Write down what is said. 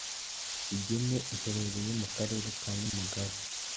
Kigeme iherereye mu karere ka Nyamagabe,